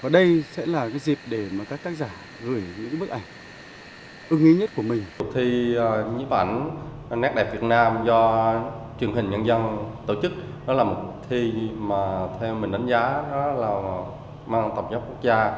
đó là một cuộc thi mà theo mình đánh giá là mang tập nhập quốc gia